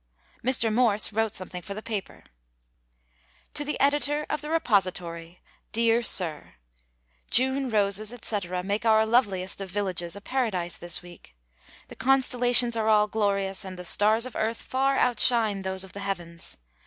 Mr. Morse wrote something for the paper: "To the Editor of the Repository: "Dear Sir June roses, etc., make our loveliest of villages a paradise this week. The constellations are all glorious and the stars of earth far outshine those of the heavens.